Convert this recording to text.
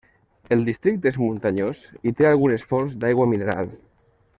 El districte és muntanyós i té algunes fonts d'aigua mineral.